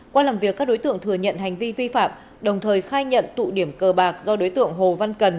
qua làm việc các đối tượng thừa nhận hành vi vi phạm đồng thời khai nhận tụ điểm cờ bạc do đối tượng hồ văn cần